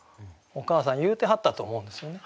お母さん言うてはったと思うんですよね。